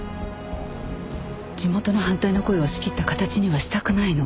地元の反対の声を押し切った形にはしたくないの。